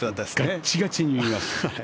ガッチガチに見ます。